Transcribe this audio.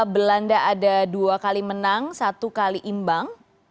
belanda ada dua kali menang satu kali imbang